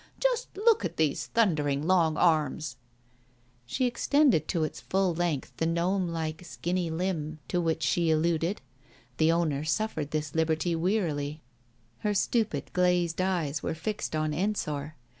Just look at these thundering long arms !" She extended to its full length the gnome like, skinny limb to which she alluded. The owner suffered this liberty wearily. Her stupid glazed eyes were fixed on Ensor.